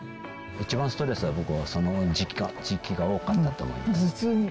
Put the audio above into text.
一番ストレスは、僕はその時期が多かったと思います。